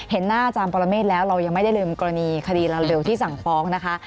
หน้าอาจารย์ปรเมฆแล้วเรายังไม่ได้ลืมกรณีคดีลาเร็วที่สั่งฟ้องนะคะ